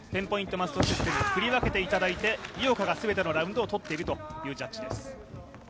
マストシステム振り分けていただいて、井岡が全てのラウンドを取っているというジャッジです。